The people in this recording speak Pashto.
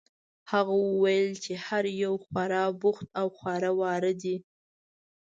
هغه وویل چې هر یو خورا بوخت او خواره واره دي.